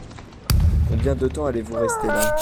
Combien de temps allez-vous rester là ?